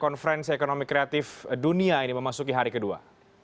konferensi ekonomi kreatif dunia ini memasuki hari kedua